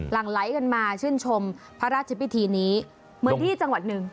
หลังไหลกันมาชื่นชมพระราชพิธีนี้เหมือนที่จังหวัดหนึ่ง